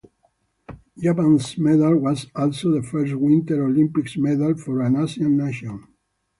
Japan's medal was also the first Winter Olympics Medal for an Asian nation.